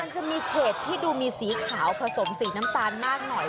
มันจะมีเฉดที่ดูมีสีขาวผสมสีน้ำตาลมากหน่อย